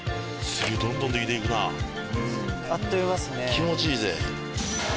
気持ちいいぜ。